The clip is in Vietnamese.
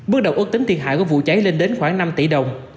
bước đầu ước tính thiệt hại của vụ cháy lên đến khoảng năm tỷ đồng